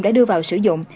đã đưa vào sử dụng